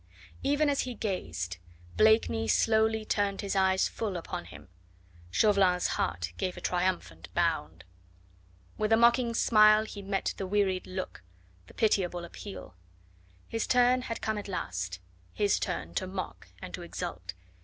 Even as he gazed, Blakeney slowly turned his eyes full upon him. Chauvelin's heart gave a triumphant bound. With a mocking smile he met the wearied look, the pitiable appeal. His turn had come at last his turn to mock and to exult.